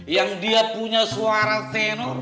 yang dia punya suara tenor